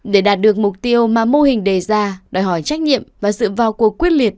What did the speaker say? để đạt được mục tiêu mà mô hình đề ra đòi hỏi trách nhiệm và sự vào cuộc quyết liệt